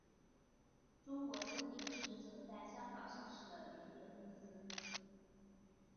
中国森林是曾在香港上市的林业公司。